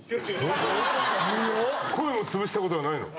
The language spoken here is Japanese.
声も潰したことはないの？